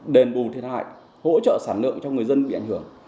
đền bù thiệt hại hỗ trợ sản lượng cho người dân bị ảnh hưởng